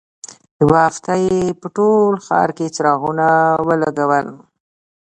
یوه هفته یې په ټول ښار کې څراغونه ولګول.